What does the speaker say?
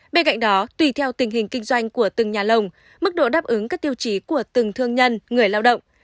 bên cạnh đó tùy theo tình hình kinh doanh của từng nhà lồng mức độ đáp ứng các tiêu chí của từng thương nhân người lao động